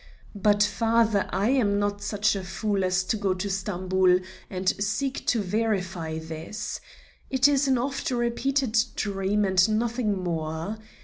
But, father, I am not such a fool as to go to Stamboul and seek to verify this. It is an oft repeated dream and nothing more.